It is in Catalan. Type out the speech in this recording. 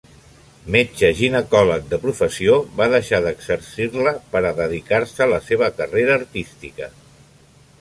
Metge ginecòleg de professió, va deixar d'exercir-la per a dedicar-se a la seva carrera artística.